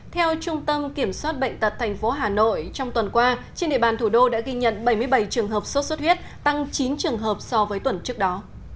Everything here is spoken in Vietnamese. theo trung tâm kiểm soát bệnh tật tp hà nội trong tuần qua trên địa bàn thủ đô đã ghi nhận bảy mươi bảy trường hợp sốt xuất huyết tăng chín trường hợp so với tuần trước đó